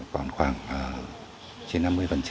còn khoảng trên năm mươi